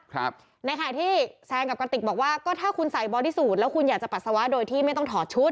ครับในขณะที่แซนกับกระติกบอกว่าก็ถ้าคุณใส่บอดี้สูตรแล้วคุณอยากจะปัสสาวะโดยที่ไม่ต้องถอดชุด